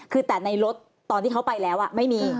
คือแต่ในรถตอนที่เขาไปแล้วไม่มี